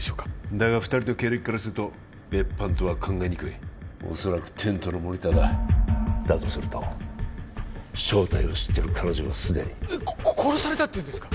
だが２人の経歴からすると別班とは考えにくい恐らくテントのモニターだだとすると正体を知ってる彼女は既にえっ殺されたっていうんですか？